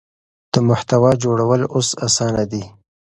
د محتوا جوړول اوس اسانه دي.